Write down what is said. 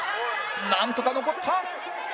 なんとか残った！